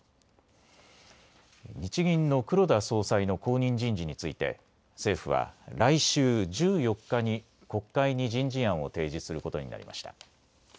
日銀の黒田総裁の後任人事について政府は来週１４日に国会に人事案を提示することになりました。